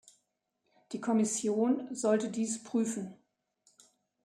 Die Kommission sollte dies prüfen.